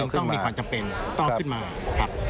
ต้องมีความจำเป็นต้องขึ้นมาครับ